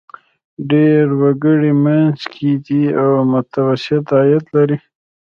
ډېری وګړي منځ کې دي او متوسط عاید لري.